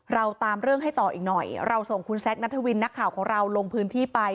เราตามเรื่องให้ต่ออีกหน่อยเราส่งคุณแซคนัทวินนักข่าวของเราลงพื้นที่ไป